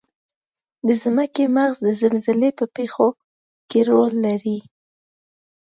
د ځمکې مغز د زلزلې په پیښو کې رول لري.